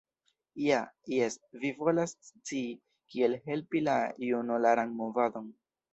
Ha, jes, vi volas scii kiel helpi la junularan movadon.